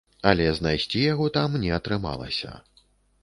Але знайсці яго там не атрымалася.